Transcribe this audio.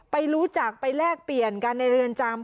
ไปรู้จักไปแลกเปลี่ยนกันในเรือนจำ